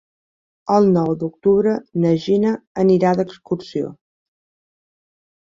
El nou d'octubre na Gina anirà d'excursió.